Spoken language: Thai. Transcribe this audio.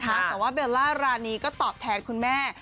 แต่ว่าเบลล่ารานีก็ตอบแทนคุณแม่